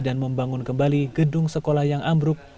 membangun kembali gedung sekolah yang ambruk